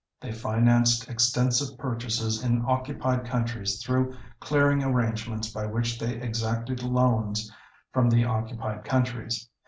They financed extensive purchases in occupied countries through clearing arrangements by which they exacted loans from the occupied countries.